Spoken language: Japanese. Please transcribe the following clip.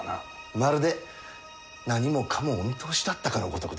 まるで何もかもお見通しだったかのごとくですなあ。